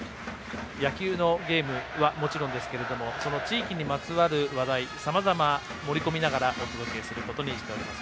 野球のゲームはもちろんですが地域にまつわる話題さまざま盛り込みながらお届けすることになっています。